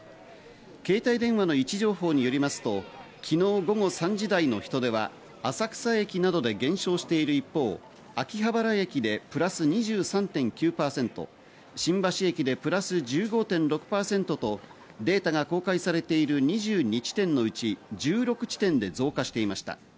携帯電話の位置情報によりますと、昨日午後３時台の人出は浅草駅などで減少している一方、秋葉原駅でプラス２３．９％、新橋駅でプラス１５．６％とデータが公開されている２２地点のうち１６地点で増加していました。